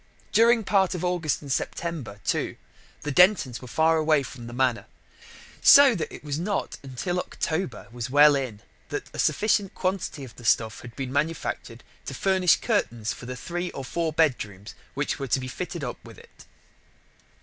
During part of August and September, too, the Dentons were away from the Manor. So that it was not until October was well in that a sufficient quantity of the stuff had been manufactured to furnish curtains for the three or four bedrooms which were to be fitted up with it.